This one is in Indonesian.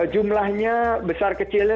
jumlahnya besar kecilnya